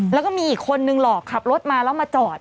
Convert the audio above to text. แล้วก็มีอีกคนนึงหลอกขับรถมาแล้วมาจอด